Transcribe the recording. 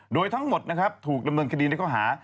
โดยทั้งหมดถูกดำเดินคดีในเข้าหา